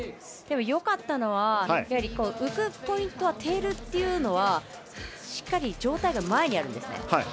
よかったのは浮くポイントはテールというのはしっかり上体が前にあるんですね。